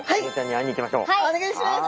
お願いします！